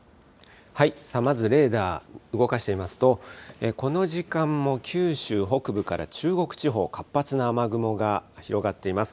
まずレーダー動かしてみますと、この時間も九州北部から中国地方、活発な雨雲が広がっています。